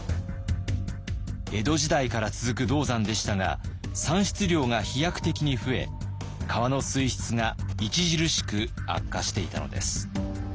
江戸時代から続く銅山でしたが産出量が飛躍的に増え川の水質が著しく悪化していたのです。